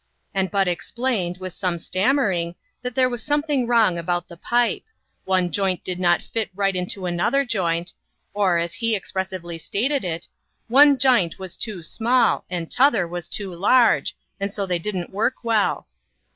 And Bud explained, with some stammer ing, that there was something wrong about the pipe ; one joint did not fit right into another joint or, as he expressively stated it, " One j'int was too small, and t'other was too large, and so they didn't work well."